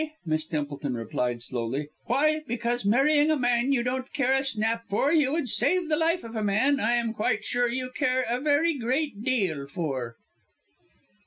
Miss Templeton replied, slowly, "why, because by marrying a man you don't care a snap for, you would save the life of a man I am quite sure, you care a very great deal for."